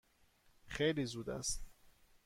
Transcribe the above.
خیلی زود است.